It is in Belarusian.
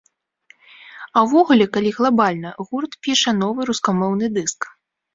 А ўвогуле, калі глабальна, гурт піша новы рускамоўны дыск.